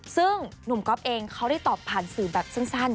ซึ่งหนุ่มก๊อฟเองเขาได้ตอบผ่านสื่อแบบสั้น